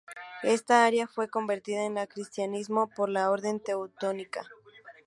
Esta área fue convertida al cristianismo por la Orden Teutónica.